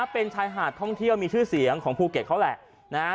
เป็นชายหาดท่องเที่ยวมีชื่อเสียงของภูเก็ตเขาแหละนะฮะ